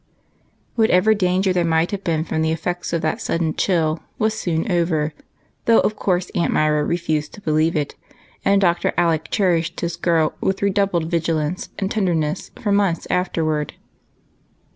WHATEVER danger there might have been from the effects of that sudden chill, it was soon over, though of course Aimt Myra refused to believe it, and Dr. Alec cherished his girl with re doubled vigilance and tenderness for months after w^ard.